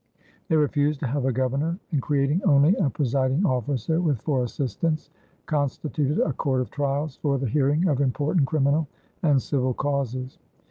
They refused to have a governor, and, creating only a presiding officer with four assistants, constituted a court of trials for the hearing of important criminal and civil causes.